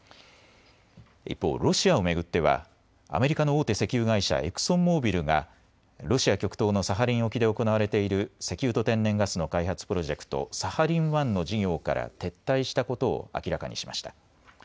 一方、ロシアを巡ってはアメリカの大手石油会社、エクソンモービルがロシア極東のサハリン沖で行われている石油と天然ガスの開発プロジェクト、サハリン１の事業から撤退したことを明らかにしました。